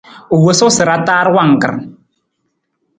U wosu sa ra taar wangkar.